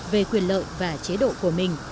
về quyền lợi và chế độ của mình